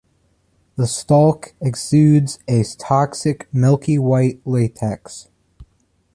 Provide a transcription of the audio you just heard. The stalk exudes a toxic milky white latex.